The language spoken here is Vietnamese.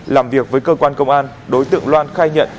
làm việc với cơ quan công an đối tượng loan khai nhận